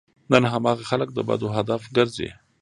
نن هماغه خلک د بدو هدف ګرځي.